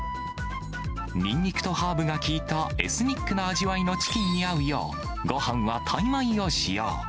ニンニクとハーブが効いたエスニックな味わいのチキンに合うよう、ごはんはタイ米を使用。